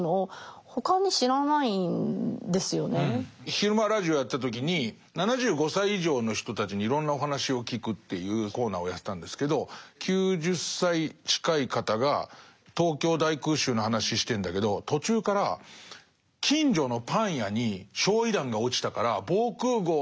昼間ラジオやってた時に７５歳以上の人たちにいろんなお話を聞くっていうコーナーをやってたんですけど９０歳近い方が東京大空襲の話してんだけど途中からっていう話をずっとしてるのね。